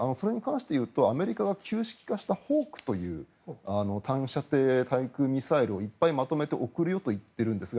それに関していうとアメリカが旧式化したホークという短射程対空ミサイルをいっぱいまとめて送るよと言っているんですが。